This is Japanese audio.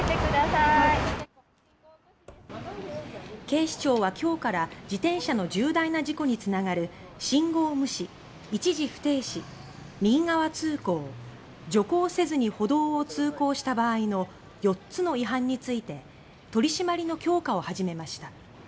警視庁は今日から自転車の重大な事故につながる信号無視、一時不停止、右側通行徐行せずに歩道を通行した場合の４つの違反について取り締まりの強化を始めました。